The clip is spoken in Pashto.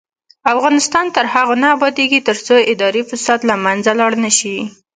افغانستان تر هغو نه ابادیږي، ترڅو اداري فساد له منځه لاړ نشي.